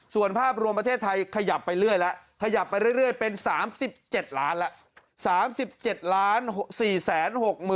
ส่วนภาพรวมประเทศไทยขยับไปเรื่อยแล้วขยับไปเรื่อยเป็น๓๗ล้านแล้ว